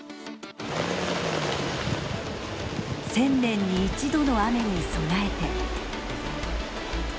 １０００年に１度の雨に備えて。